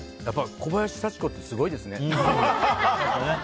小林幸子ってすごいですね。